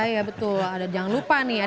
iya betul jangan lupa nih